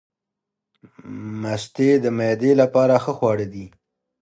مستې د معدې لپاره ښه خواړه دي.